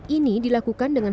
ini dilakukan dengan